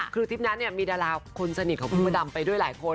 คือทริปนั้นมีดาราคนสนิทของพี่มดดำไปด้วยหลายคน